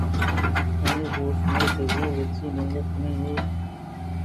آئی ءَ گوٛشت میئے دژمن لُچّی ءُ ٹَگّی کنان ءَ مئے گِرگ ءَ کئیت